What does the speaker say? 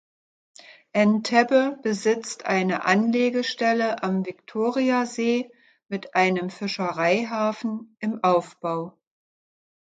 Entebbe besitzt eine Anlegestelle am Viktoriasee mit einem Fischereihafen im Aufbau.